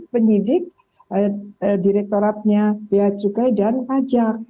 penyidik direktoratnya biacukai dan pajak